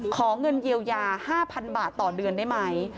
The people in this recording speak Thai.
ขอเงินเยียวยา๕๐๐๐บาทต่อเดือนได้ไหม